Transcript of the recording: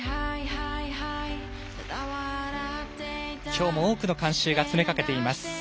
今日も多くの観衆が詰め掛けています。